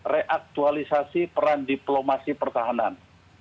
reaktualisasi peran diplomasi pertahanan